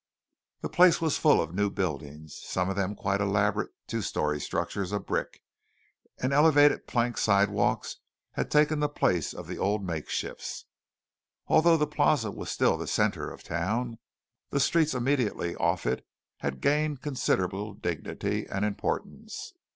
The place was full of new buildings, some of them quite elaborate two story structures of brick; and elevated plank sidewalks had taken the place of the old makeshifts. Although the Plaza was still the centre of town, the streets immediately off it had gained considerable dignity and importance.